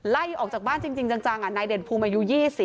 ไล่ออกจากบ้านจริงจังนายเด่นภูมิอายุ๒๐